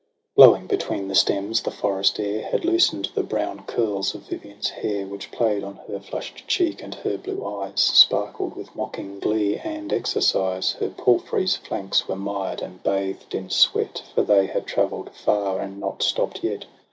Blowing between the stems, the forest air Had loosen'd the brown curls of Vivian's hair, Which play'd on her flush'd cheek, and her blue eyes Sparkled with mocking glee and exercise. Her palfrey's flanks were mired and bathed in sweat, For they had travell'd far and not stopp'd yet.